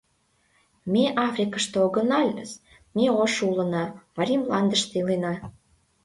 Ме Африкыште огыналыс, ме ошо улына, Марий мландыште илена...